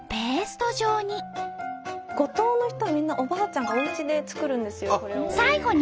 スタジオ五島の人はみんなおばあちゃんがおうちで作るんですよこれを。